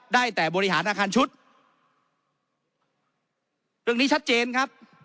ได้แต่บริหารอาคารชุดเรื่องนี้ชัดเจนครับ